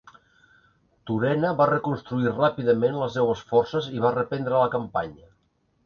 Turena va reconstruir ràpidament les seues forces i va reprendre la campanya.